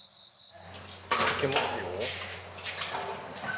開けますよ。